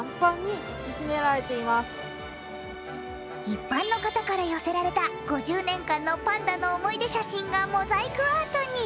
一般の方から寄せられた５０年間のパンダの思い出写真がモザイクアートに。